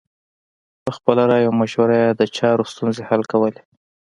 په خپله رایه او مشوره یې د چارو ستونزې حل کولې.